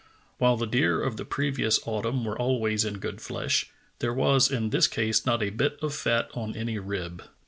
While the deer of the previous autumn were always In good flesh, there was in this case not a bit of fat on any rib.